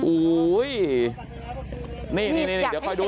โอ้โฮ